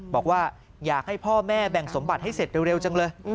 บอกว่าอยากให้พ่อแม่แบ่งสมบัติให้เสร็จเร็วจังเลย